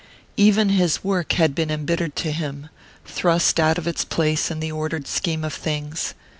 Even his work had been embittered to him, thrust out of its place in the ordered scheme of things.